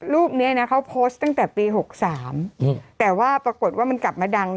รูปนี้นะเขาโพสต์ตั้งแต่ปี๖๓แต่ว่าปรากฏว่ามันกลับมาดัง